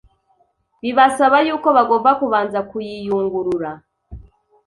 bibasaba y’uko bagomba kubanza kuyiyungurura